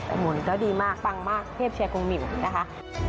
อันนี้ก็ดีมากปังมากเทพเชียร์กรุงมิวนะคะ